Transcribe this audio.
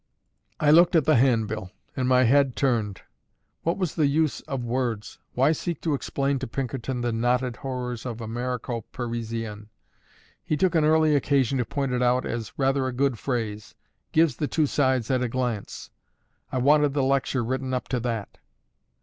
I looked at the handbill, and my head turned. What was the use of words? why seek to explain to Pinkerton the knotted horrors of "Americo Parisienne"? He took an early occasion to point it out as "rather a good phrase; gives the two sides at a glance: I wanted the lecture written up to that."